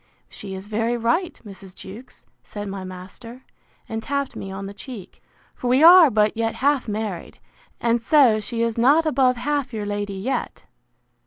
—She is very right, Mrs. Jewkes, said my master, and tapped me on the cheek; for we are but yet half married; and so she is not above half your lady yet!